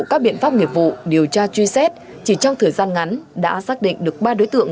các biện pháp nghiệp vụ điều tra truy xét chỉ trong thời gian ngắn đã xác định được ba đối tượng